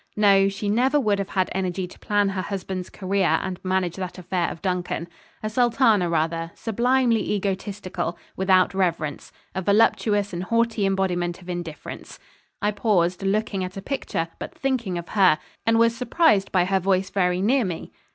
No; she never would have had energy to plan her husband's career and manage that affair of Duncan. A sultana rather sublimely egotistical, without reverence a voluptuous and haughty embodiment of indifference. I paused, looking at a picture, but thinking of her, and was surprised by her voice very near me.